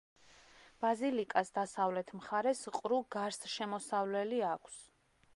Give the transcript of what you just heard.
ბაზილიკას დასავლეთ მხარეს ყრუ გარსშემოსავლელი აქვს.